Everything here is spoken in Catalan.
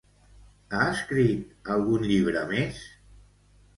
Ha escrit algun llibre més?